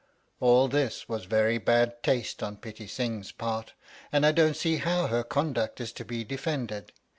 All this was very bad taste on Pitti Sing's part, and I don't see how her conduct is to be defended.